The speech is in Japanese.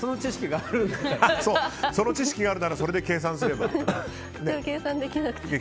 その知識があるならそれで計算すれば。